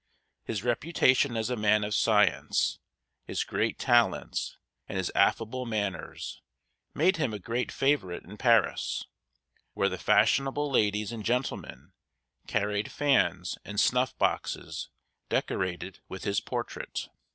His reputation as a man of science, his great talents, and his affable manners made him a great favorite in Paris, where the fashionable ladies and gentlemen carried fans and snuffboxes decorated with his portrait.